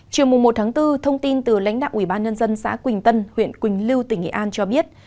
trừ mùa một tháng bốn thông tin từ lãnh đạo ubnd xã quỳnh tân huyện quỳnh lưu tỉnh nghệ an cho biết